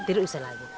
nah tidak usah lagi